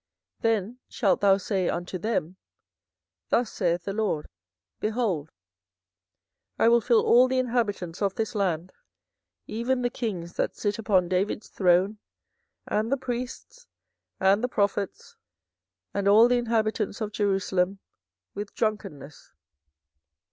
24:013:013 Then shalt thou say unto them, Thus saith the LORD, Behold, I will fill all the inhabitants of this land, even the kings that sit upon David's throne, and the priests, and the prophets, and all the inhabitants of Jerusalem, with drunkenness.